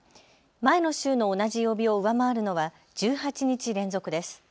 前の週の同じ曜日を上回るのは１８日連続です。